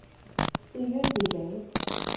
至于自己，